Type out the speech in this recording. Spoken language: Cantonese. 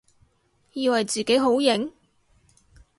以為自己好型？